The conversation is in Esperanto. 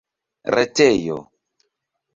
retejo